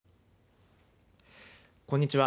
こんにちは。